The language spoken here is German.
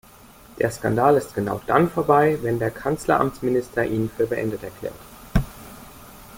Der Skandal ist genau dann vorbei, wenn der Kanzleramtsminister ihn für beendet erklärt.